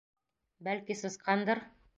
Бәлки, сысҡандыр?..